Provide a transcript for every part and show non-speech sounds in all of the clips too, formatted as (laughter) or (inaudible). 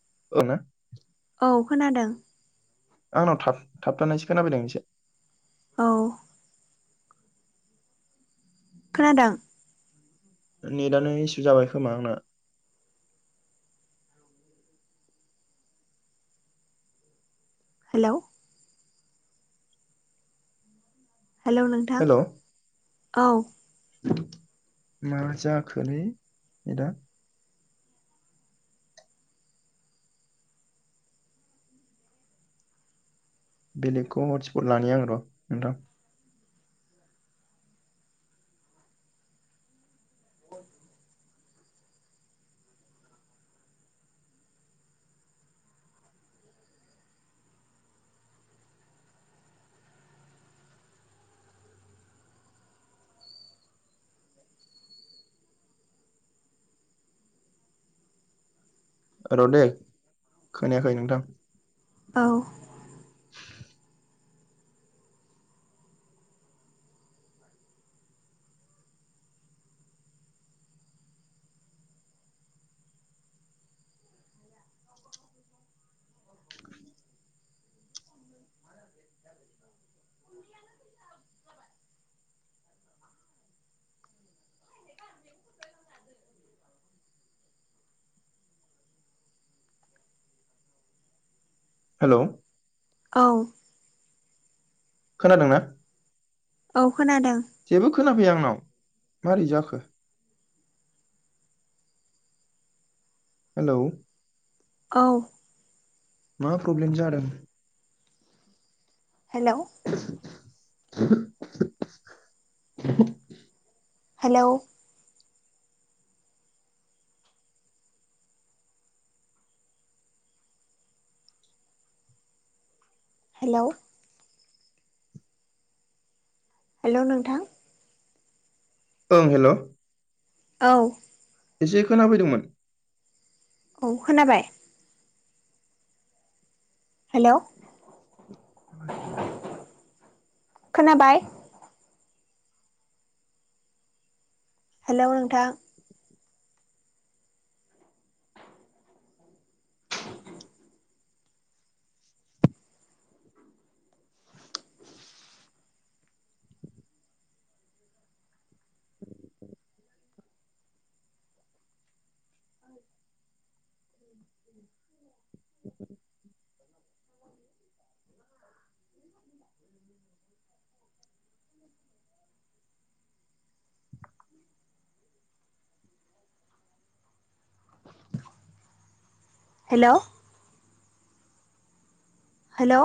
(unintelligible) औ खोनादों। आंनाव थाब थाबथानायसो खोनाफैदों एसे। औ खोनादों। नेटआनो इसु जाबाय खोमा आंना। हेलौ हेलौ नोंथां हेल' औ मा जाखोलै नेदा बेलेगखौ हटस्पट लानि आं र' नोंथां। र' दे खोनायाखै नोंथां। औ (inaudible) (inaudible) हेलौ औ खोनादोंना? औ खोनादों जेबो खोनाफैया आंनाव। मारै जाखो? हेलौ औ मा प्रब्लेम जादों! हेलौ (inaudible) हेलौ हेलौ हेलौ नोंथां ओं हेलौ औ एसे खोनाफैदोंमोन। औ खोनाबाय? हेलौ (inaudible) खोनाबाय? हेलौ नोंथां (inaudible) (inaudible) हेलौ हेलौ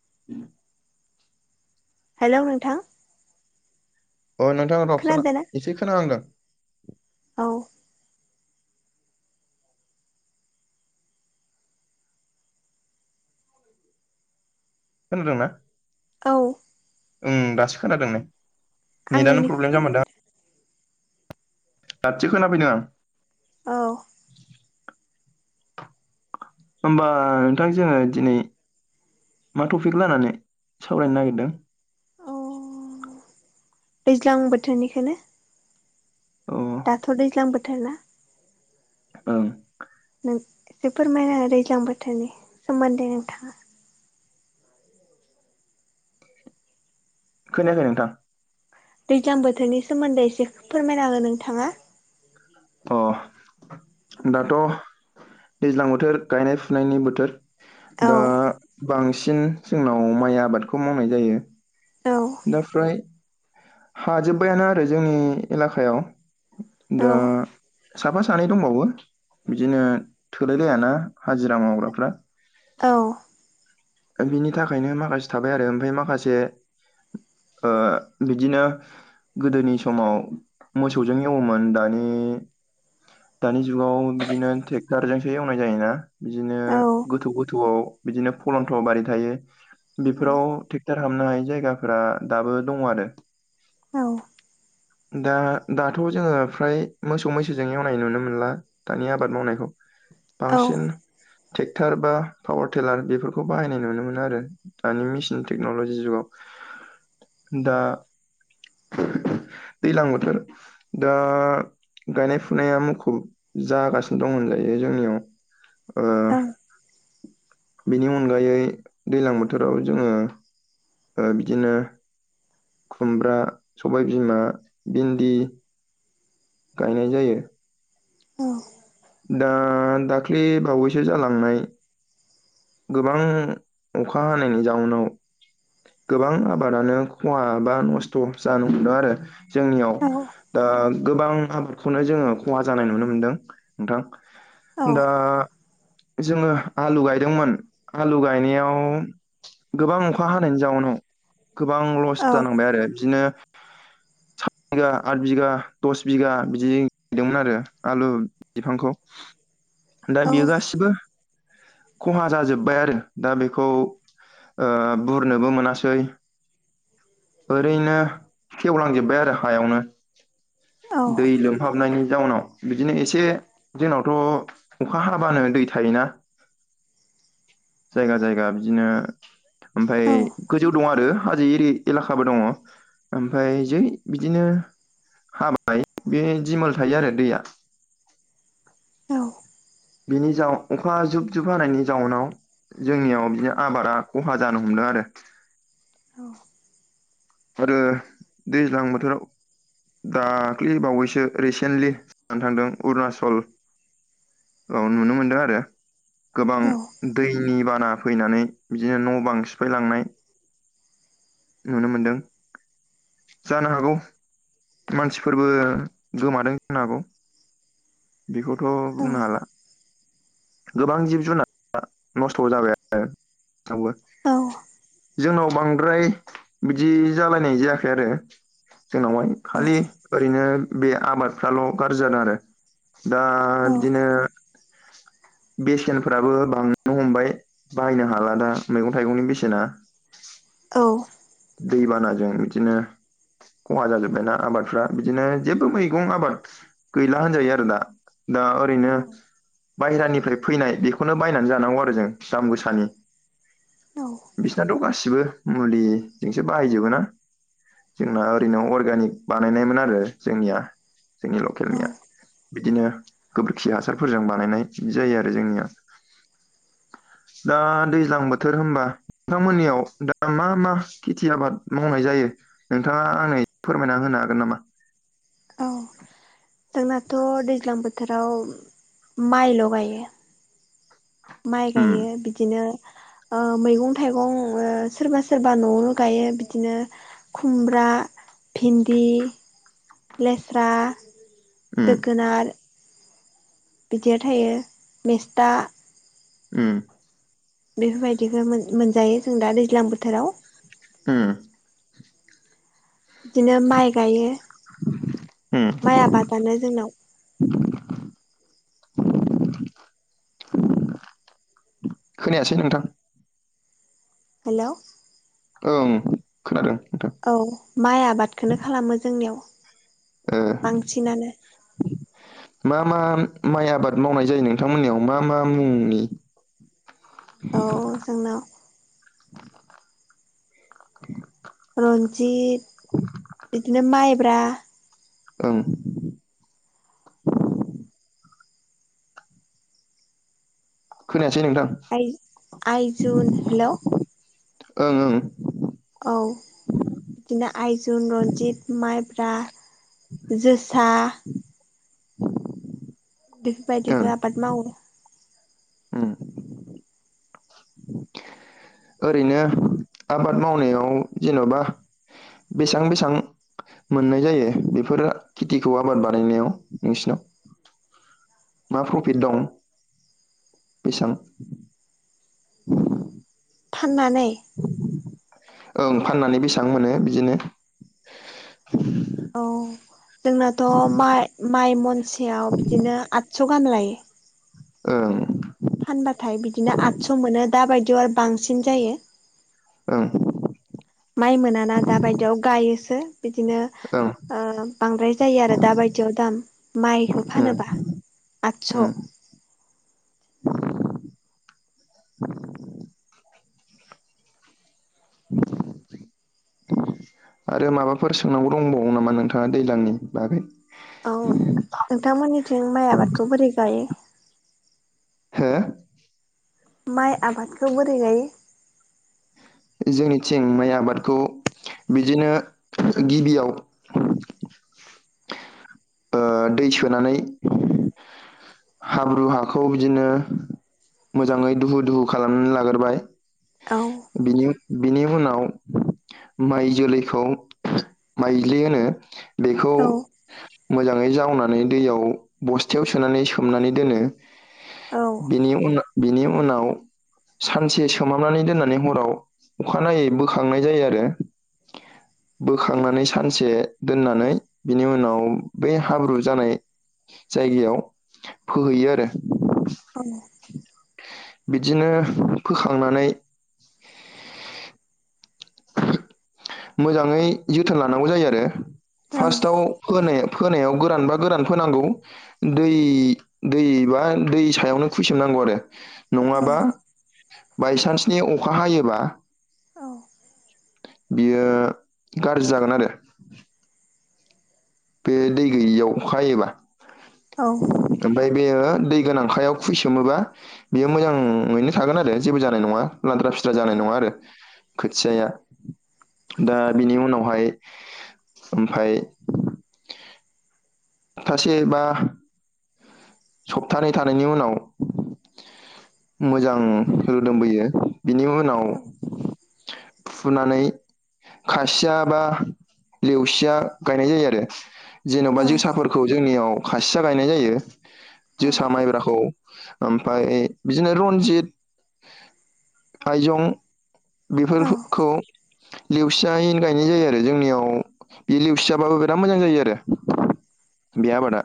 (unintelligible) हेलौ नोंथां अ नोंथां र' खोना खोनादोंना एसे खोनाहांदों औ खोनादोंना? औ उम दासो खोनादों नै आं नेटआनो नोंनिखौ प्रब्लेम जामारदों खोनाफैदों दासो खोनाफैदों आं औ होमबा नोंथां जोङो दिनै मा टपिक लानानै सावरायनो नागिरदों अ दैज्लां बोथोरनिखोनो अ दाथ' दैज्लां बोथोरना ओं एसे फोरमायना हो दैज्लां बोथोरनि सोमोन्दै नोंथाङा खोनायाखै नोंथां दैज्लां बोथोरनि सोमोन्दै एसे फोरमायना हो नोंथाङा अ दाथ' दैज्लां बोथोर गायनाय फुनायनि बोथोर औ दा बांसिन जोंनाव माइ आबादखौ मावनाय जायो औ दा फ्राय हाजोब्बायानो आरो जोंनि एलाकायाव औ दा साफा सानै दंबावो बिदिनो थोलाय लायाना हाजिरा मावग्राफ्रा औ बिनि थाखायनो माखासे थाबाय आरो ओमफाय माखासे ओ बिदिनो गोदोनि समाव मोसौजों एवोमोन दानि दानि जुगाव बिदिनो टेक्टारजोंसो एवनाय जायोना बिदिनो औ गोथौ गोथौआव बिदिनो फलन्थ'बारि थायो बेफोराव टेक्टर हाबनो हायै जायगाफोरा दाबो दङ आरो औ (inaudible) दा दाथ' जोङो फ्राय मोसौ मैसोजों एवनाय नुनो मोनला दानि आबाद मावनायखौ औ बांसिन टे क्टार बा पावार टिलार बेफोरखौ बाहायनाय नुनो मोनो आरो दानि मेसिन टेक्न'लजि जुगाव दा दैलां बोथोर दा गायनाय फुनाया मुखुब जागासिनो दं होनजायो जोंनियाव ओ औ बेनि अनगायै दैलां बोथोराव जोङो ओ बिदिनो खुमब्रा सबायबिमा भिन्दि गायनाय जायो औ दा दाखलि बावैसो जालांनाय गोबां अखा हानायनि जाउनाव गोबां आबादानो खहा बा नस्थ' जानो हमदों आरो जोंनियाव औ दा गोबां आबादखौनो जोङो खहा जानाय नुनो मोनदों नोंथां दा जोङो आलु गायदोंमोन आलु गायनायाव गोबां अखा हानायनि जाउनाव गोबां लस जानांबाय आरो बिदिनो सत बिघा आठ बिगा दस बिगा बिदि दोंमोन आरो आलु बिफांखौ दा बेयो गासिबो खहा जाजोबबाय आरो दा बेखौ बुरनोबो मोनासै। ओरैनो खेवलांजोब्बाय आरो हायावनो दै लोमहाबनायनि जाउनाव बिदिनो एसे जोंनावथ अखा हाबानो दै थायोना। जायगा जायगा बिदिनो ओमफ्राय औ गोजौ दं आरो हाजो एरि एलेखाबो दङ ओमफाय जै बिदिनो हाबा थाय बे दिमोल थायो आरो दैया। औ बिनि जाउ अखा जुब जुब हानायनि जाउनाव जोंनियाव बिदिनो आबादा खहा जानो हमदों आरो। औ आरो दैज्लां बोथोराव दाख्लि बावैसो रिसेन्टलि जानानै थांदों अरुनााचल औ नुनो मोनदों आरो। गोबां औ दैनि बाना फैनानै बिदिनो न' बां सिफायलांनाय नुनो मोनदों जानो हागौ मानसिफोरबो गोमादों जानो हागौ। बेखौथ' बुंनो हाला। गोबां जिब जुनार नस्थ' जाबाय आरो। (unintelligible) जोंनाव बांद्राय बिदि जालायनाय जायाखै आरो। जोंनावहाय खालि ओरैनो बे आबादफ्राल गाज्रि जादों आरो। दा बिदिनो बेसेनफोराबो बांनो हमबाय बायनो हाला दा मैगं थाइगंनि बेसेना औ दैबानाजों बिदिनो खहा जाजोब्बायना आबादफ्रा बिदिनो जेबो मैगं आबाद गैला होनजायो आरो दा। दा ओरैनो बाहेरानिफ्राय फैनाय बेखौनो बायनानै जानांगौ आरो जों दाम गोसानि। बिसनाथ गासिबो मुलि जोंसो बाहायजोबो ना जोंना ओरैनो अरगेनिक बानायनायमोन आरो जोंनिया। जोंनि लकेलनिया बिदिनो गोबोरखि हासारफोरजों बानायनाय बिदि जायो आरो जोंनिया। दा दैज्लां बोथोर होनबा नोंथांमोननियाव दा मा मा खेथि आबाद मावनाय जायो नोंथाङा आंनो फोरमायना होनो हागोन नामा? औ जोंनाथ दैज्लां बोथोराव माइल गायो। माइ उम गायो बिदिनो ओ मैगं थाइगं ओ सोरबा सोरबा न'आवनो गायो बिदिनो खुमब्रा (inaudible) भिन्दि लेस्रा उम जोगोनार बिदियाव थायो मेस्ता उम बेफोरबायदिखौ मोन-मोनजायो जों दा दैज्लां बोथोराव। ओम बिदिनो माइ गायो। उम माइ आबादानो जोंनाव (unintelligible) खोनायासै नोंथां। हेल' ओं खोनादों नोंथां औ माइ आबादखोनो खालामो जोंनियाव ओ बांसिनानो मा मा मा माइ आबाद मावनाय जायो नोंथांमोननियाव मा मा मुंनि? औ जोंनाव (unintelligible) रन्जित बिदिनो माइब्रा (unintelligible) (unintelligible) आइ-आइजुन हेलौ ओं ओं औ बिदिनो आइजुन रन्जित माइब्रा जोसा बेफोर ओं बायदिखौ आबाद मावो ओं ओरैनो आबाद मावनायाव जेन'बा बेसां बेसां मोननाय जायो बेफोर खेथिखौ आबाद बानायनायाव नोंसिनाव मा प्रफिट दं बेसां (unintelligible) फाननानै ओं फाननानै बेसां मोनो बिदिनो औ जोंनाथ' माइ मइ मनसेयाव बिदिनो आ तस' गाहाम लायो ओं फानबाथाय बिदिनो आठस' मोनो दा बायदियाव आरो बांसिन जायो ओं माइ मोनाना दाबायदियाव गायोसो बिदिनो ओं ओ बांद्राय जायो आरो दा बायदियाव दाम माइ ओम आतस' आरो माबाफोर सोंनांगौ दंबावो नामा नोंथाङा दैज्लांनि बागै औ नोंथांमोननिथिं माइ आबादखौ बोरै गायो हो माइ आबादखौ बोरै गायो जोंनिथिं माइ आबादखौ बिदिनो गिबियाव (unintelligible) ओ‌ दै सोनानै हाब्रु हाखौ बिदिनो मोजाङै दुहु दुहु खालामनानै लागोरबाय औ बिनि उनाव बिनि उनाव माइ जोलैखौ माइज्लि होनो बेखौ औ मोजाङै जावनानै दैयाव बस्थायाव सोनानै सोमनानै दोनो औ बिनि उन बिनि उनाव सानसे सोमहाबनानै दोननानै हराव अखानायै बोखांनाय जायो आरो बोखांनानै सानसे दोननानै बिनि उनाव बै हाब्रु जानाय जायगायाव फोहैयो आरो औ बिदिनो फोखांनानै मोजाङै जोथोन लानांगौ जायो आरो औ फार्स्टआव होनाय फोनायाव गोरान बा गोरान फोनांगौ दै दैबा दै सायावनो खुयसोमनांगौ आरो औ नङाबा बायसान्सनि अखा हायोबा बियो गाज्रि जागोन आरो बे दै गैयियाव अखा हायोबा। औ ओमफ्राय बेयो दै गोनांखायाव खुइसोमोबा बेयो मोजाङैनो थागोन आरो जेबो जानाय नङा लाद्रा बिस्रा जानाय नङा आरो खोथियाया दा बिनि उनावहाय ओमफाय सासे बा सप्तानै थानायनि उनाव मोजां रोदोमबोयो। बिनि उनाव फुनानै खासिया बा लेवसिया गायनाय जायो आरो औ जेन'बा जोसाफोरखौ जोंनियाव खासिया गायनाय जायो। जोसा माइब्राखौ ओमफ्राय बिदिनो रन्जित आइजं औ बेफोरखौ लेवसियैनो गायनाय जायो आरो जोंनियाव बे लवसियाबाबो बिराद मोजां जायो आरो बे आबादा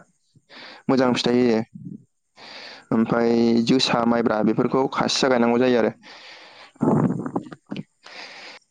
औ मोजां फि थाइ जायो। ओमफ्राय जोसा माइब्रा बेफोरखौ खासिया गायनांगौ जायो आरो। औ